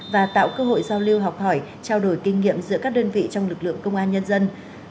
và tạo cơ hội giao lưu học hỏi trao đổi kinh nghiệm giữa các đơn vị trong lực lượng công an nhân dân